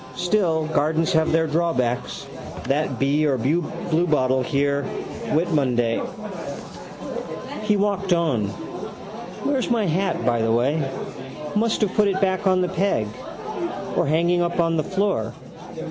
Still gardens have their drawbacks. That bee or bluebottle here Whitmonday. He walked on. Where is my hat, by the way? Must have put it back on the peg. Or hanging up on the floor.